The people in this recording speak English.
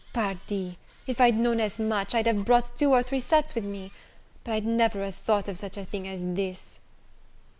Pardi, if I'd know'd as much, I'd have brought two or three sets with me: but I'd never a thought of such a thing as this."